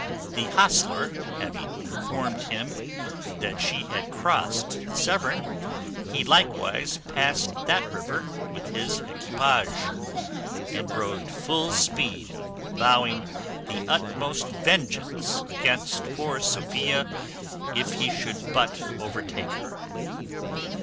The hostler having informed him that she had crossed the Severn, he likewise past that river with his equipage, and rode full speed, vowing the utmost vengeance against poor Sophia, if he should but overtake her.